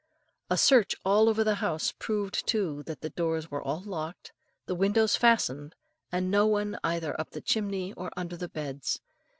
A search all over the house proved too that the doors were all locked, the windows fastened, and no one either up the chimney or under the beds.